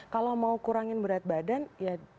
kalau mau kurangin berat badan ya